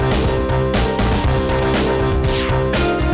ya sini dulu kita